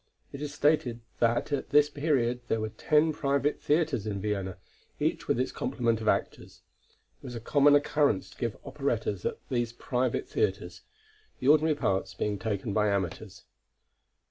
It is stated that at this period there were ten private theatres in Vienna, each with its complement of actors. It was a common occurrence to give operettas at these private theatres, the ordinary parts being taken by amateurs.